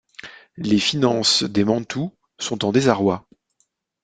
Les finances des Mantoue sont en désarroi.